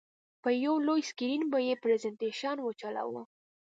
په یو لوی سکرین به یې پرزینټېشن وچلوو.